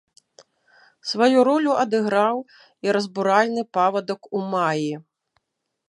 Сваю ролю адыграў і разбуральны павадак у маі.